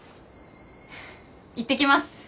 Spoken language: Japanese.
いってきます！